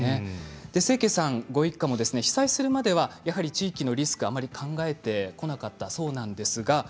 清家さんご一家も被災するまでは地域のリスクを考えてこなかったそうなんです。